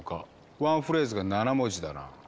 ワンフレーズが７文字だな。